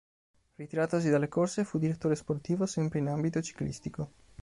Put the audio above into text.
Ritiratosi dalle corse fu direttore sportivo sempre in ambito ciclistico.